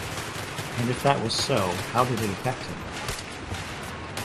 And if that was so, how did it affect him?